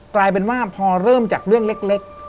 กลายเป็นว่าพอเริ่มจากเรื่องเล็ก